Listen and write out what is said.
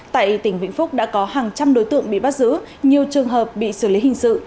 tại tỉnh vĩnh phúc đã có hàng trăm đối tượng bị bắt giữ nhiều trường hợp bị xử lý hình sự